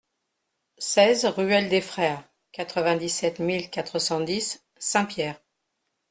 seize ruelle des Frères, quatre-vingt-dix-sept mille quatre cent dix Saint-Pierre